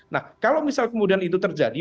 nah kalau misal kemudian itu terjadi